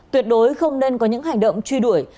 tuyệt đối không nên có những hành động truy đuổi